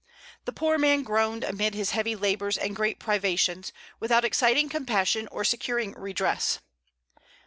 The poor man groaned amid his heavy labors and great privations, without exciting compassion or securing redress.